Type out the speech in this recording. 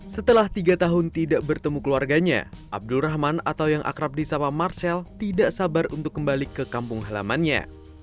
setelah tiga tahun tidak bertemu keluarganya abdul rahman atau yang akrab di sapa marcel tidak sabar untuk kembali ke kampung halamannya